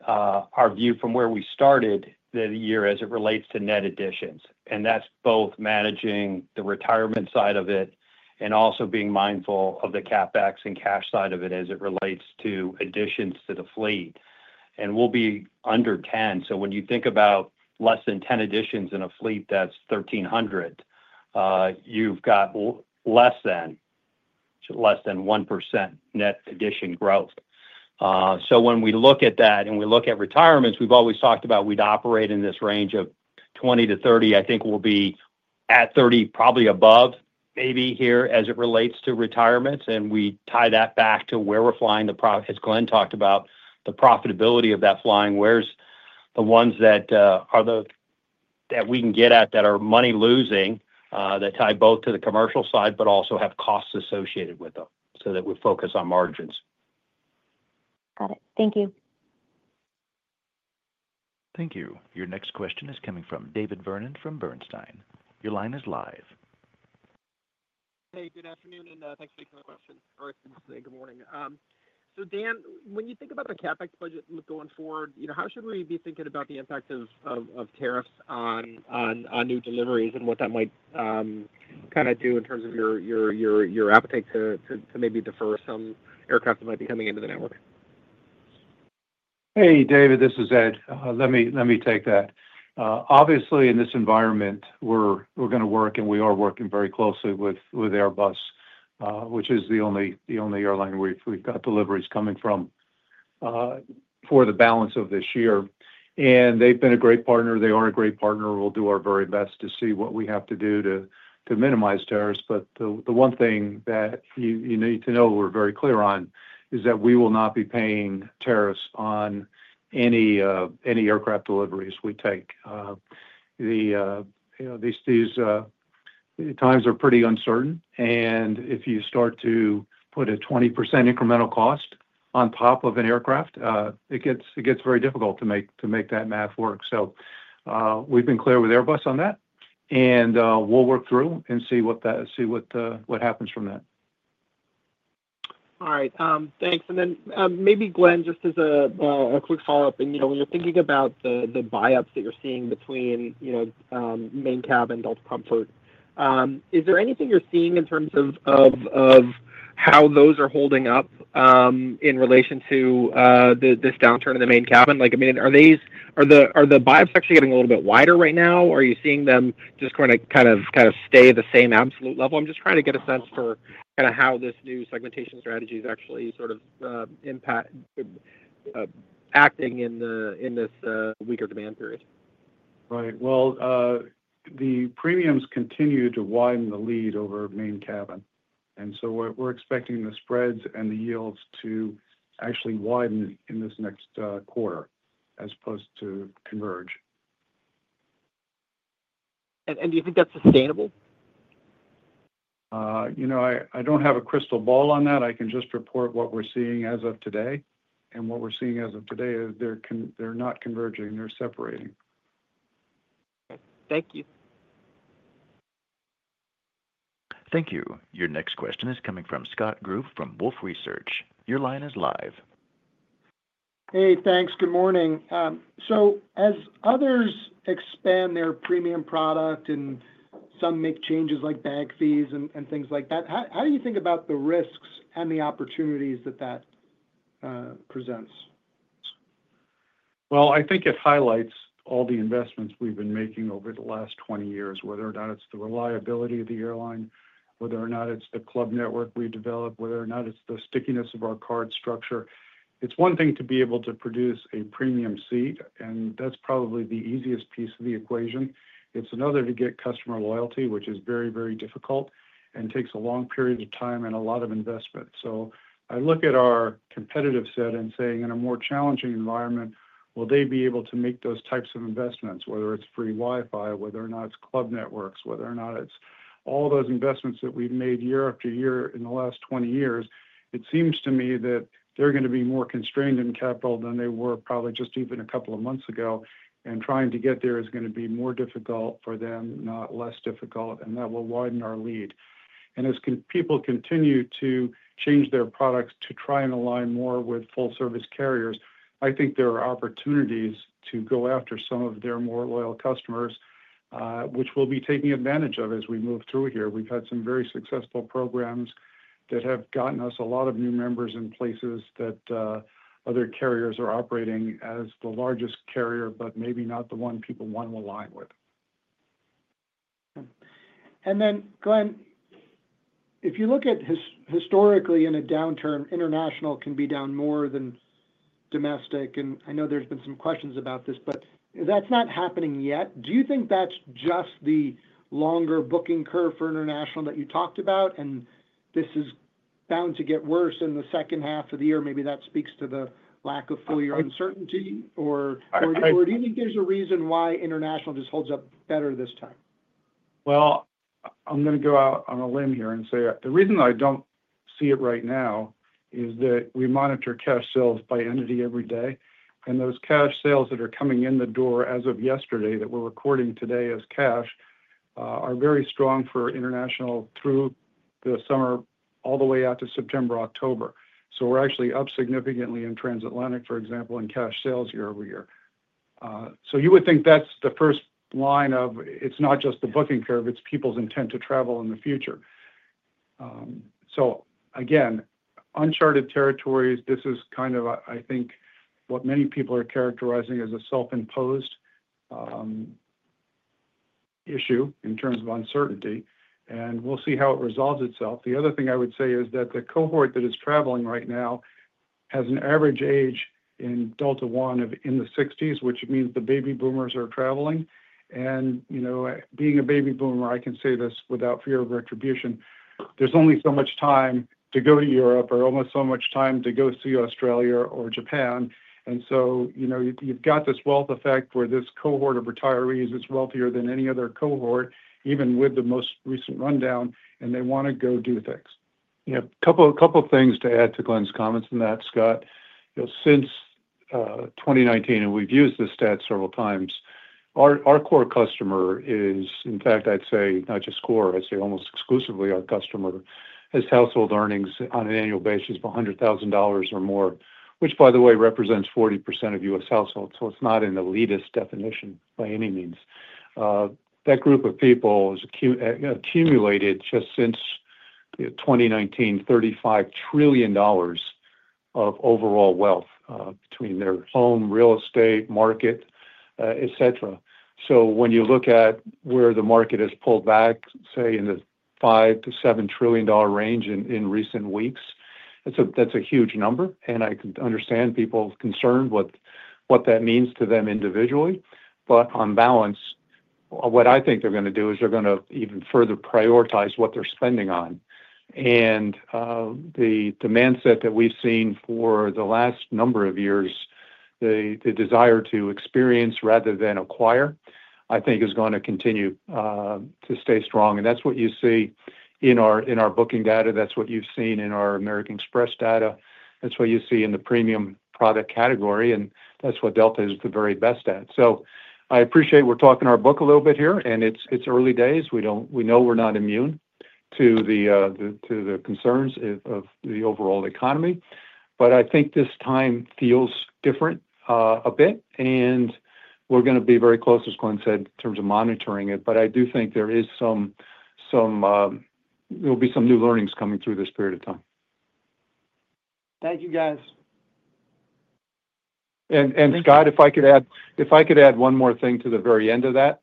our view from where we started the year as it relates to net additions. That is both managing the retirement side of it and also being mindful of the CapEx and cash side of it as it relates to additions to the fleet. We will be under 10. When you think about less than 10 additions in a fleet that is 1,300, you have got less than 1% net addition growth. When we look at that and we look at retirements, we have always talked about we would operate in this range of 20%-30%. I think we will be at 30%, probably above, maybe here as it relates to retirements. We tie that back to where we are flying. As Glen talked about, the profitability of that flying, where's the ones that we can get at that are money-losing that tie both to the commercial side, but also have costs associated with them so that we focus on margins. Got it. Thank you. Thank you. Your next question is coming from David Vernon from Bernstein. Your line is live. Hey, good afternoon, and thanks for taking my question. All right. Good morning. Dan, when you think about the CapEx budget going forward, how should we be thinking about the impact of tariffs on new deliveries and what that might kind of do in terms of your appetite to maybe defer some aircraft that might be coming into the network? Hey, David, this is Ed. Let me take that. Obviously, in this environment, we're going to work, and we are working very closely with Airbus, which is the only airline we've got deliveries coming from for the balance of this year. They've been a great partner. They are a great partner. We'll do our very best to see what we have to do to minimize tariffs. The one thing that you need to know we're very clear on is that we will not be paying tariffs on any aircraft deliveries we take. These times are pretty uncertain. If you start to put a 20% incremental cost on top of an aircraft, it gets very difficult to make that math work. We've been clear with Airbus on that. We'll work through and see what happens from that. All right. Thanks. Maybe, Glen, just as a quick follow-up, when you're thinking about the buyouts that you're seeing between Main Cabin Delta Comfort, is there anything you're seeing in terms of how those are holding up in relation to this downturn in the Main Cabin? I mean, are the buyouts actually getting a little bit wider right now? Are you seeing them just kind of stay at the same absolute level? I'm just trying to get a sense for kind of how this new segmentation strategy is actually sort of acting in this weaker demand period. Right. The Premiums continue to widen the lead over Main Cabin. We are expecting the spreads and the yields to actually widen in this next quarter as opposed to converge. Do you think that's sustainable? I don't have a crystal ball on that. I can just report what we're seeing as of today. What we're seeing as of today is they're not converging. They're separating. Thank you. Thank you. Your next question is coming from Scott Group from Wolfe Research. Your line is live. Hey, thanks. Good morning. As others expand their premium product and some make changes like bag fees and things like that, how do you think about the risks and the opportunities that that presents? I think it highlights all the investments we've been making over the last 20 years, whether or not it's the reliability of the airline, whether or not it's the Club network we developed, whether or not it's the stickiness of our card structure. It's one thing to be able to produce a premium seat, and that's probably the easiest piece of the equation. It's another to get customer loyalty, which is very, very difficult and takes a long period of time and a lot of investment. I look at our competitive set and say, in a more challenging environment, will they be able to make those types of investments, whether it's free Wi-Fi, whether or not it's Club networks, whether or not it's all those investments that we've made year after year in the last 20 years? It seems to me that they're going to be more constrained in capital than they were probably just even a couple of months ago. Trying to get there is going to be more difficult for them, not less difficult, and that will widen our lead. As people continue to change their products to try and align more with full-service carriers, I think there are opportunities to go after some of their more loyal customers, which we'll be taking advantage of as we move through here. We've had some very successful programs that have gotten us a lot of new members in places that other carriers are operating as the largest carrier, but maybe not the one people want to align with. Glen, if you look at historically in a downturn, International can be down more than Domestic. I know there's been some questions about this, but that's not happening yet. Do you think that's just the longer booking curve for International that you talked about, and this is bound to get worse in the second half of the year? Maybe that speaks to the lack of full-year uncertainty, or do you think there's a reason why International just holds up better this time? I'm going to go out on a limb here and say the reason I don't see it right now is that we monitor cash sales by entity every day. Those cash sales that are coming in the door as of yesterday that we're recording today as cash are very strong for International through the summer all the way out to September, October. We're actually up significantly in Transatlantic, for example, in cash sales year over year. You would think that's the first line of it's not just the booking curve, it's people's intent to travel in the future. Again, uncharted territories, this is kind of, I think, what many people are characterizing as a self-imposed issue in terms of uncertainty. We'll see how it resolves itself. The other thing I would say is that the cohort that is traveling right now has an average age in Delta One of in the 60s, which means the baby boomers are traveling. Being a baby boomer, I can say this without fear of retribution, there is only so much time to go to Europe or almost so much time to go see Australia or Japan. You have this wealth effect where this cohort of retirees is wealthier than any other cohort, even with the most recent rundown, and they want to go do things. A couple of things to add to Glen's comments on that, Scott. Since 2019, and we've used this stat several times, our core customer is, in fact, I'd say not just core, I'd say almost exclusively our customer has household earnings on an annual basis of $100,000 or more, which, by the way, represents 40% of U.S. households. It is not an elitist definition by any means. That group of people has accumulated just since 2019, $35 trillion of overall wealth between their home, real estate, market, etc. When you look at where the market has pulled back, say, in the $5-$7 trillion range in recent weeks, that is a huge number. I can understand people's concern, what that means to them individually. On balance, what I think they're going to do is they're going to even further prioritize what they're spending on. The demand set that we've seen for the last number of years, the desire to experience rather than acquire, I think is going to continue to stay strong. That is what you see in our booking data. That is what you've seen in our American Express data. That is what you see in the Premium product category. That is what Delta is the very best at. I appreciate we're talking our book a little bit here, and it's early days. We know we're not immune to the concerns of the overall economy. I think this time feels different a bit. We are going to be very close, as Glen said, in terms of monitoring it. I do think there will be some new learnings coming through this period of time. Thank you, guys. Scott, if I could add one more thing to the very end of that,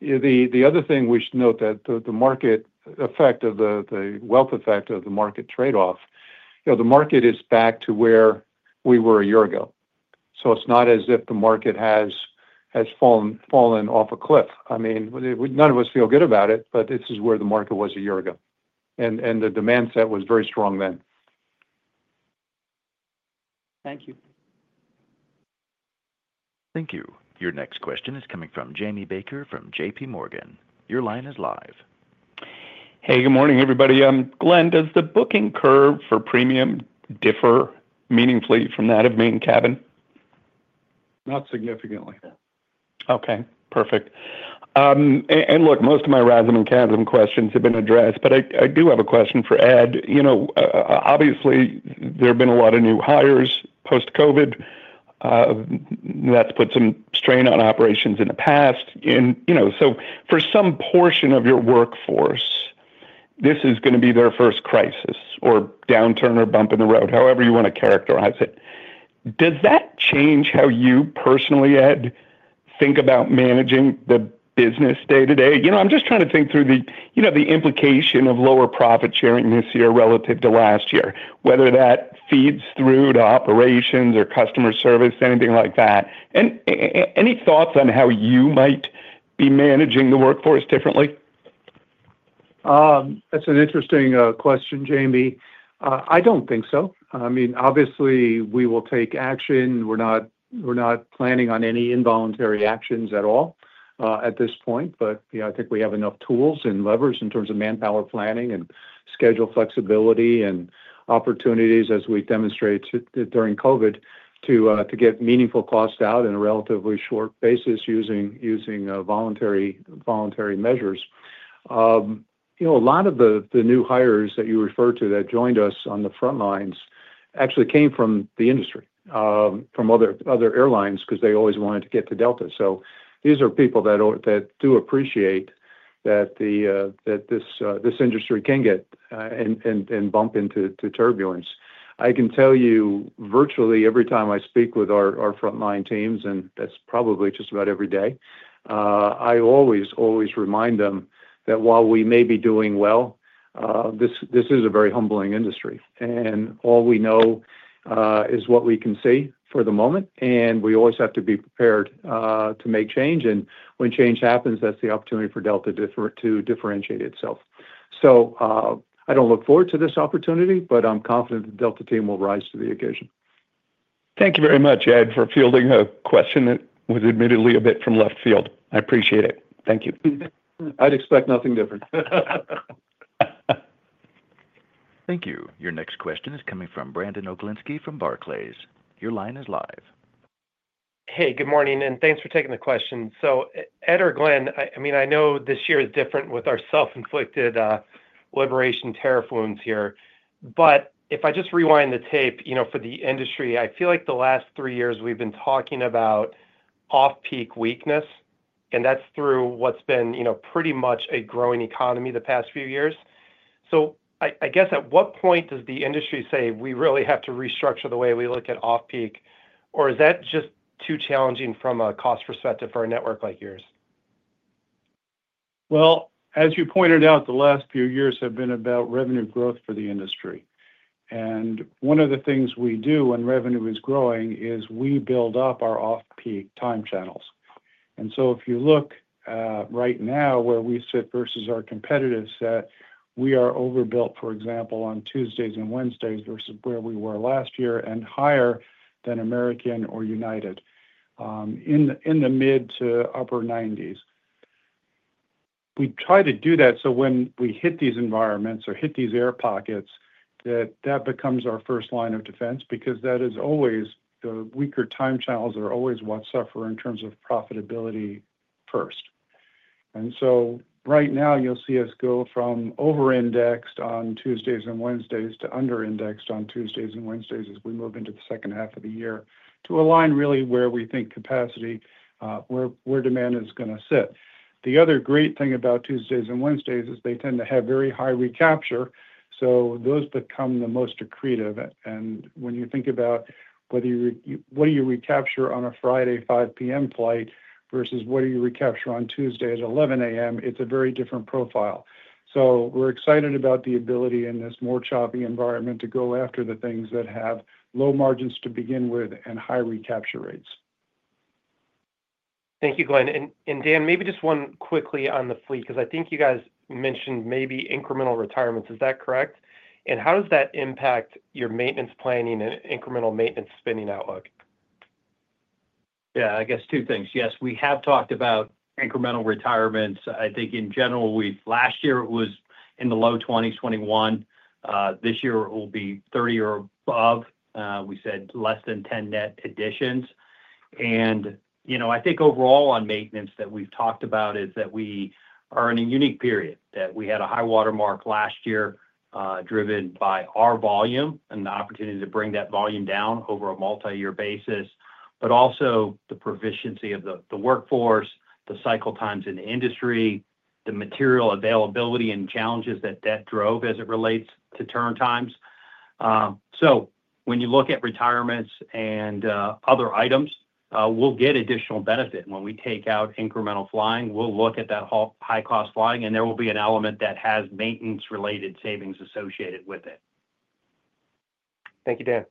the other thing we should note is that the market effect of the wealth effect of the market trade-off, the market is back to where we were a year ago. It is not as if the market has fallen off a cliff. I mean, none of us feel good about it, but this is where the market was a year ago. The demand set was very strong then. Thank you. Thank you. Your next question is coming from Jamie Baker from JPMorgan. Your line is live. Hey, good morning, everybody. Glen, does the booking curve for Premium differ meaningfully from that of Main Cabin? Not significantly. Okay. Perfect. Most of my RASM and CASM questions have been addressed. I do have a question for Ed. Obviously, there have been a lot of new hires post-COVID. That has put some strain on operations in the past. For some portion of your workforce, this is going to be their first crisis or downturn or bump in the road, however you want to characterize it. Does that change how you personally, Ed, think about managing the business day-to-day? I'm just trying to think through the implication of lower profit sharing this year relative to last year, whether that feeds through to operations or customer service, anything like that. Any thoughts on how you might be managing the workforce differently? That's an interesting question, Jamie. I don't think so. I mean, obviously, we will take action. We're not planning on any involuntary actions at all at this point. I think we have enough tools and levers in terms of manpower planning and schedule flexibility and opportunities as we demonstrated during COVID to get meaningful costs out in a relatively short basis using voluntary measures. A lot of the new hires that you refer to that joined us on the front lines actually came from the industry, from other airlines because they always wanted to get to Delta. These are people that do appreciate that this industry can get and bump into turbulence. I can tell you virtually every time I speak with our frontline teams, and that's probably just about every day, I always, always remind them that while we may be doing well, this is a very humbling industry. All we know is what we can see for the moment. We always have to be prepared to make change. When change happens, that's the opportunity for Delta to differentiate itself. I don't look forward to this opportunity, but I'm confident the Delta team will rise to the occasion. Thank you very much, Ed, for fielding a question that was admittedly a bit from left field. I appreciate it. Thank you. I'd expect nothing different. Thank you. Your next question is coming from Brandon Oglenski from Barclays. Your line is live. Hey, good morning. Thanks for taking the question. Ed or Glen, I know this year is different with our self-inflicted liberation tariff wounds here. If I just rewind the tape for the industry, I feel like the last three years we've been talking about off-peak weakness, and that's through what's been pretty much a growing economy the past few years. I guess at what point does the industry say we really have to restructure the way we look at off-peak, or is that just too challenging from a cost perspective for a network like yours? As you pointed out, the last few years have been about revenue growth for the industry. One of the things we do when revenue is growing is we build up our off-peak time channels. If you look right now where we sit versus our competitive set, we are overbuilt, for example, on Tuesdays and Wednesdays versus where we were last year and higher than American or United in the mid to upper 90s. We try to do that so when we hit these environments or hit these air pockets, that becomes our first line of defense because the weaker time channels are always what suffer in terms of profitability first. Right now, you'll see us go from over-indexed on Tuesdays and Wednesdays to under-indexed on Tuesdays and Wednesdays as we move into the second half of the year to align really where we think capacity, where demand is going to sit. The other great thing about Tuesdays and Wednesdays is they tend to have very high recapture. Those become the most accretive. When you think about what do you recapture on a Friday 5:00 P.M. flight versus what do you recapture on Tuesday at 11:00 A.M., it's a very different profile. We are excited about the ability in this more choppy environment to go after the things that have low margins to begin with and high recapture rates. Thank you, Glen. Dan, maybe just one quickly on the fleet because I think you guys mentioned maybe incremental retirements. Is that correct? How does that impact your maintenance planning and incremental maintenance spending outlook? Yeah, I guess two things. Yes, we have talked about incremental retirements. I think in general, last year it was in the low 20s, 21. This year it will be 30 or above. We said less than 10 net additions. I think overall on maintenance that we've talked about is that we are in a unique period that we had a high watermark last year driven by our volume and the opportunity to bring that volume down over a multi-year basis, but also the proficiency of the workforce, the cycle times in the industry, the material availability and challenges that that drove as it relates to turn times. When you look at retirements and other items, we'll get additional benefit when we take out incremental flying. We'll look at that high-cost flying, and there will be an element that has maintenance-related savings associated with it. Thank you, Dan.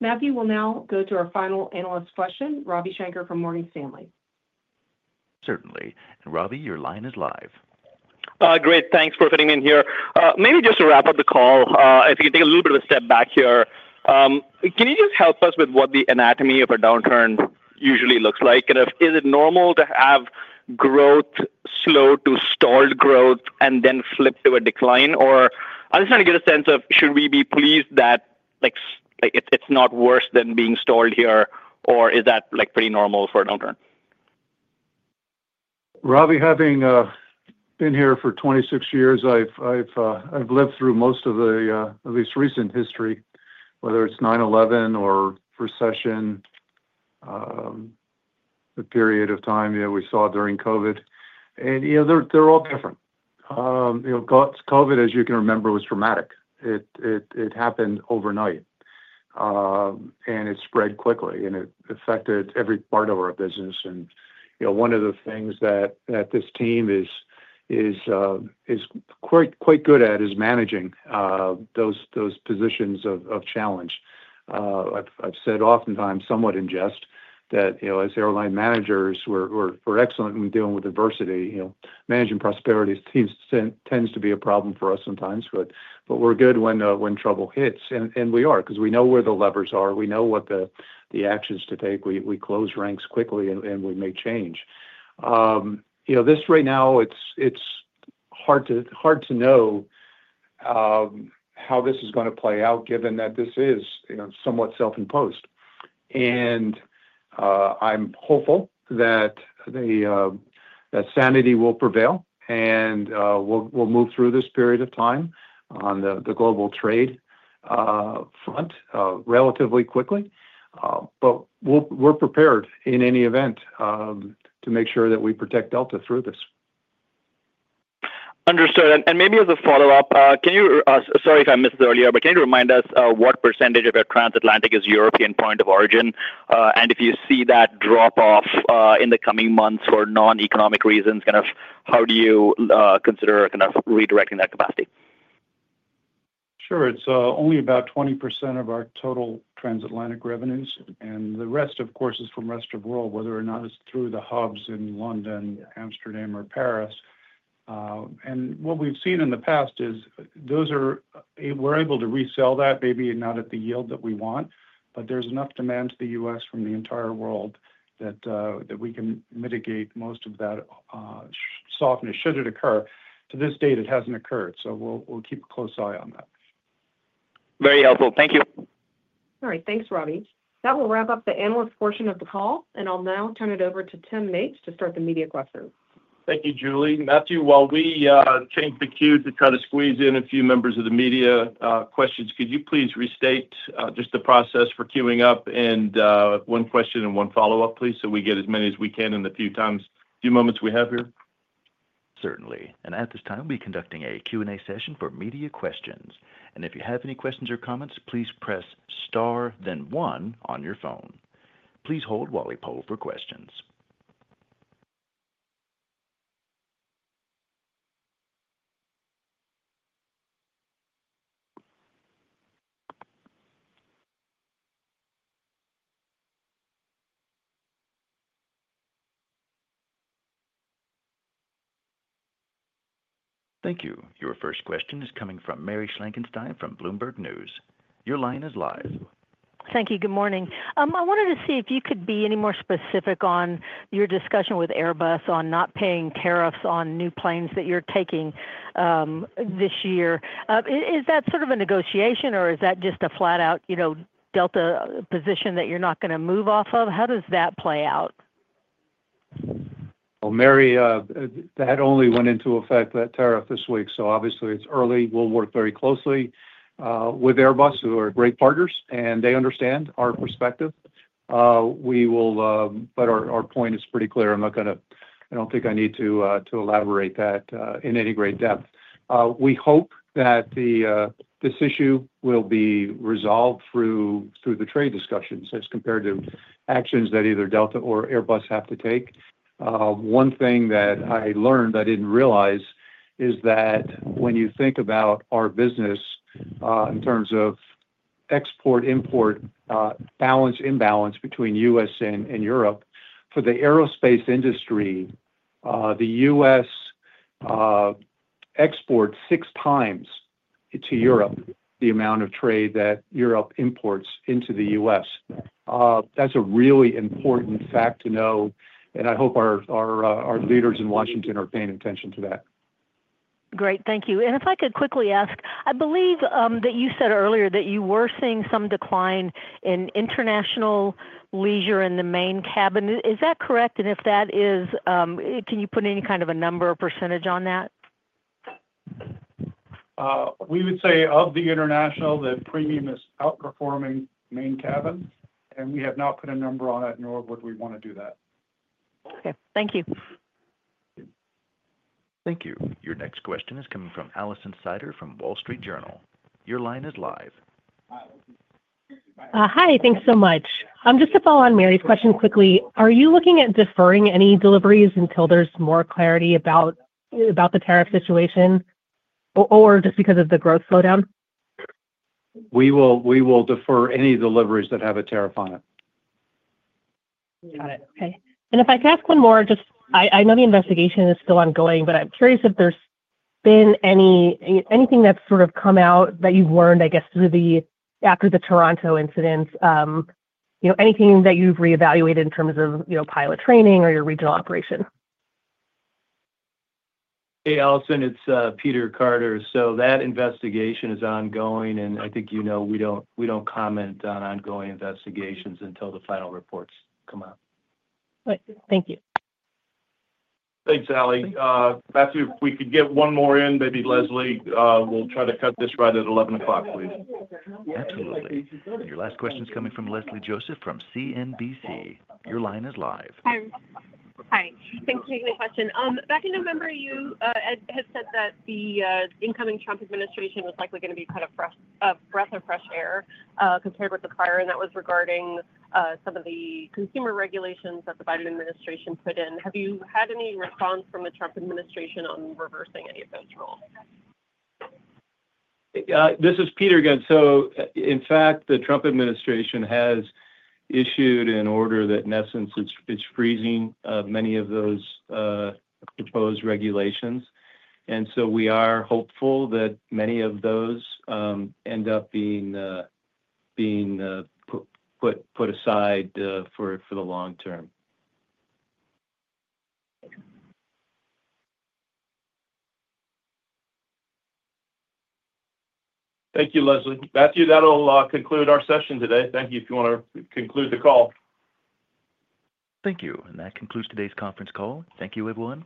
Matthew we'll now go to our final analyst question, Ravi Shanker from Morgan Stanley. Certainly. Ravi, your line is live. Great. Thanks for fitting in here. Maybe just to wrap up the call, if you can take a little bit of a step back here, can you just help us with what the anatomy of a downturn usually looks like? Kind of is it normal to have growth slow to stalled growth and then flip to a decline? I'm just trying to get a sense of should we be pleased that it's not worse than being stalled here, or is that pretty normal for a downturn? Ravi, having been here for 26 years, I've lived through most of the, at least recent history, whether it's 9/11 or recession, the period of time we saw during COVID. They are all different. COVID, as you can remember, was dramatic. It happened overnight, and it spread quickly, and it affected every part of our business. One of the things that this team is quite good at is managing those positions of challenge. I've said oftentimes somewhat in jest that as airline managers, we're excellent in dealing with adversity. Managing prosperity tends to be a problem for us sometimes, but we're good when trouble hits. We are because we know where the levers are. We know what the actions to take. We close ranks quickly, and we make change. This right now, it's hard to know how this is going to play out given that this is somewhat self-imposed. I'm hopeful that sanity will prevail, and we'll move through this period of time on the global trade front relatively quickly. We are prepared in any event to make sure that we protect Delta through this. Understood. Maybe as a follow-up, sorry if I missed it earlier, but can you remind us what % of your Transatlantic is European point of origin? If you see that drop off in the coming months for non-economic reasons, kind of how do you consider kind of redirecting that capacity? Sure. It's only about 20% of our total Transatlantic revenues. The rest, of course, is from the rest of the world, whether or not it's through the hubs in London, Amsterdam, or Paris. What we've seen in the past is we're able to resell that maybe not at the yield that we want, but there's enough demand to the U.S. from the entire world that we can mitigate most of that softness should it occur. To this date, it hasn't occurred. We will keep a close eye on that. Very helpful. Thank you. All right. Thanks, Ravi. That will wrap up the analyst portion of the call. I'll now turn it over to Tim Mapes to start the media questions. Thank you, Julie. Matthew, while we change the queue to try to squeeze in a few members of the media questions, could you please restate just the process for queuing up and one question and one follow-up, please, so we get as many as we can in the few moments we have here? Certainly. At this time, we'll be conducting a Q&A session for media questions. If you have any questions or comments, please press star, then one on your phone. Please hold while we poll for questions. Thank you. Your first question is coming from Mary Schlangenstein from Bloomberg News. Your line is live. Thank you. Good morning. I wanted to see if you could be any more specific on your discussion with Airbus on not paying tariffs on new planes that you're taking this year. Is that sort of a negotiation, or is that just a flat-out Delta position that you're not going to move off of? How does that play out? Mary, that only went into effect, that tariff this week. Obviously, it's early. We'll work very closely with Airbus, who are great partners, and they understand our perspective. Our point is pretty clear. I don't think I need to elaborate that in any great depth. We hope that this issue will be resolved through the trade discussions as compared to actions that either Delta or Airbus have to take. One thing that I learned I didn't realize is that when you think about our business in terms of export, import, balance, imbalance between the U.S. and Europe, for the aerospace industry, the U.S. exports six times to Europe the amount of trade that Europe imports into the U.S. That's a really important fact to know. I hope our leaders in Washington are paying attention to that. Great. Thank you. If I could quickly ask, I believe that you said earlier that you were seeing some decline in International, leisure in the Main Cabin. Is that correct? If that is, can you put in kind of a number or percentage on that? We would say of the International, the Premium is outperforming Main Cabin. We have not put a number on it, nor would we want to do that. Okay. Thank you. Thank you. Your next question is coming from Alison Sider from Wall Street Journal. Your line is live. Hi. Thanks so much. I'm just to follow on Mary's question quickly. Are you looking at deferring any deliveries until there's more clarity about the tariff situation or just because of the growth slowdown? We will defer any deliveries that have a tariff on it. Got it. Okay. If I could ask one more, just I know the investigation is still ongoing, but I'm curious if there's been anything that's sort of come out that you've learned, I guess, after the Toronto incident, anything that you've reevaluated in terms of pilot training or your regional operation? Hey, Alison, it's Peter Carter. That investigation is ongoing. I think you know we don't comment on ongoing investigations until the final reports come out. Thank you. Thanks, Ali. Matthew, if we could get one more in, maybe Leslie, we'll try to cut this right at 11:00 please. Absolutely. Your last question is coming from Leslie Josephs from CNBC. Your line is live. Hi. Thanks for taking the question. Back in November, you had said that the incoming Trump administration was likely going to be a breath of fresh air compared with the prior. That was regarding some of the consumer regulations that the Biden administration put in. Have you had any response from the Trump administration on reversing any of those rules? This is Peter again. In fact, the Trump administration has issued an order that, in essence, is freezing many of those proposed regulations. We are hopeful that many of those end up being put aside for the long term. Thank you, Leslie. Matthew, that'll conclude our session today. Thank you if you want to conclude the call. Thank you. That concludes today's conference call. Thank you, everyone.